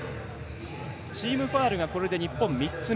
チームファウルが日本これで３つ目。